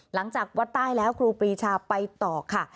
หลังจากวัดใต้แล้วครูปรีชาไปต่อค่ะ